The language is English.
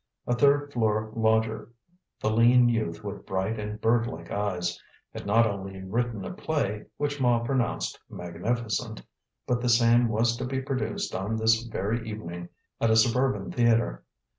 A third floor lodger the lean youth with bright and bird like eyes had not only written a play, which Ma pronounced magnificent, but the same was to be produced on this very evening at a suburban theatre.